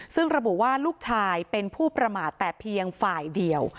ซึ่งระบุว่าลูกชายเป็นผู้ประมาทแต่เพียงฝ่ายเดียว